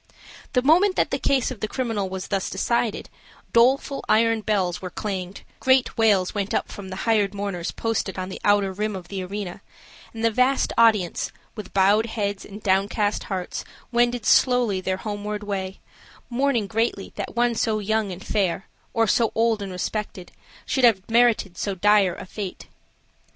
The moment that the case of the criminal was thus decided, doleful iron bells were clanged, great wails went up from the hired mourners posted on the outer rim of the arena, and the vast audience, with bowed heads and downcast hearts, wended slowly their homeward way, mourning greatly that one so young and fair, or so old and respected, should have merited so dire a fate.